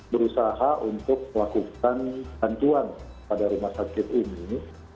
berusaha untuk melakukan bantuan pada rumah sakit ini